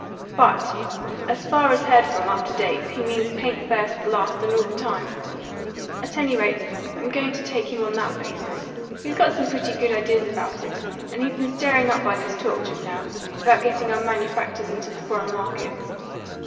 But, as far as heard from, up to date, he means paint first, last, and all the time. At any rate, I'm going to take him on that basis. He's got some pretty good ideas about it, and he's been stirred up by this talk, just now, about getting our manufactures into the foreign markets.